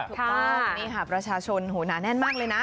ถูกต้องนี่ค่ะประชาชนโหหนาแน่นมากเลยนะ